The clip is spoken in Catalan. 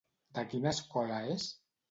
De quina escola és?